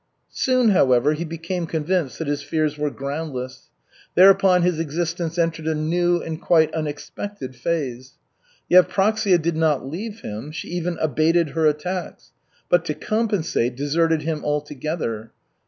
Soon, however, he became convinced that his fears were groundless. Thereupon his existence entered a new and quite unexpected phase. Yevpraksia did not leave him, she even abated her attacks, but, to compensate, deserted him altogether.